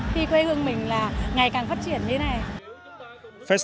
khi quê hương mình là ngày càng phát triển như thế này